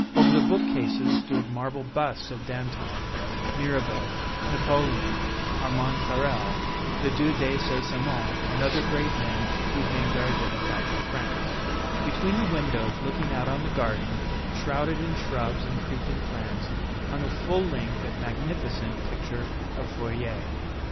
Over the bookcases stood marble busts of Danton, Mirabeau, Napoleon, Armand Carrel, the Duc de St. Simon and other great men whose names are identified with France; between the windows looking out on the garden, shrouded in shrubs and creeping plants, hung a full length and magnificent picture of Fourier.